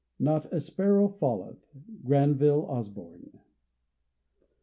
"NOT A SPARROW FALLETH." GRANVILLE OSBORNE.